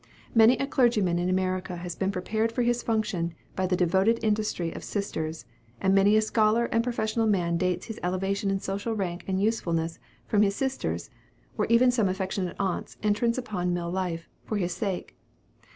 Many a clergyman in America has been prepared for his function by the devoted industry of sisters; and many a scholar and professional man dates his elevation in social rank and usefulness from his sister's, or even some affectionate aunt's entrance upon mill life, for his sake.